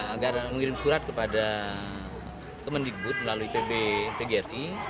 agar mengirim surat kepada kemendikbud melalui pb pgri